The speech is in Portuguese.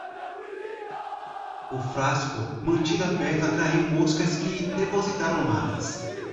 O frasco mantido aberto atraiu moscas que depositaram larvas